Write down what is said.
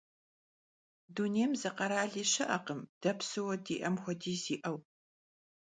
Dunêym zı kherali şı'ekhım de psıue di'em xuediz yi'eu.